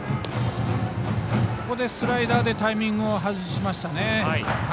ここでスライダーでタイミングを外しましたね。